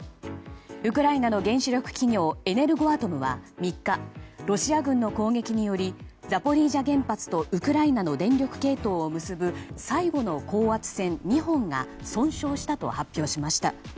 ウクライナの原子力企業エネルゴアトムは３日ロシア軍の攻撃によりザポリージャ原発とウクライナの電力系統を結ぶ最後の高圧線２本が損傷したと発表しました。